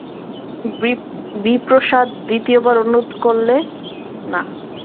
বিপ্রদাস দ্বিতীয়বার অনুরোধ করলে না।